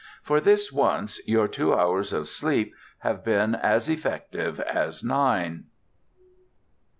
For this once your two hours of sleep have been as effective as nine.